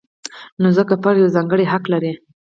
نو ځکه فرد یو ځانګړی حق لري.